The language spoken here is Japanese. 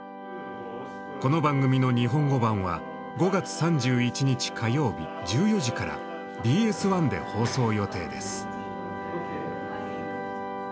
この番組の日本語版は５月３１日火曜日１４時からＢＳ１で放送予定です。